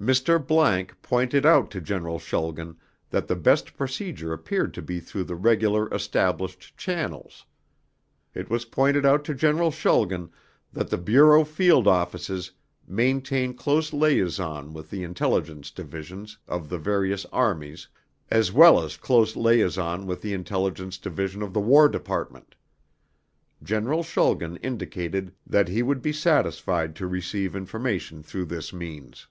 Mr. ____ pointed out to General Schulgen that the best procedure appeared to be through the regular established channels. It was pointed out to General Schulgen that the Bureau Field Offices maintain close liaison with the Intelligence Divisions of the various Armies as well as close liaison with the Intelligence Division of the War Department. General Schulgen indicated that he would be satisfied to receive information through this means.